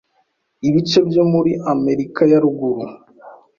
Ibice byo muri Amerika ya ruguru